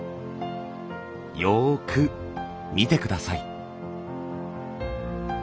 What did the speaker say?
よく見て下さい。